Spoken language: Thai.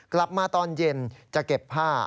กลับมาตอนเย็นจะเก็บผ้า